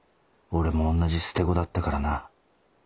俺も同じ捨て子だったからな。